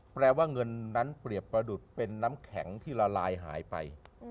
แปลว่าเงินนั้นเปรียบประดุษเป็นน้ำแข็งที่ละลายหายไป